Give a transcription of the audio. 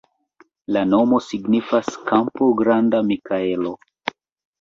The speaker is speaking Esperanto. La nomo signifas: kampo-granda-Mikaelo.